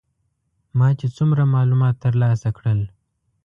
ما چې څومره معلومات تر لاسه کړل.